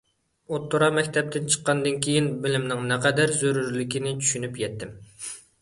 ئوتتۇرا مەكتەپكە چىققاندىن كېيىن، بىلىمنىڭ نەقەدەر زۆرۈرلۈكىنى چۈشىنىپ يەتتىم.